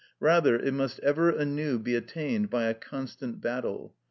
Rather, it must ever anew be attained by a constant battle.